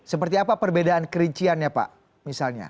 seperti apa perbedaan kerinciannya pak misalnya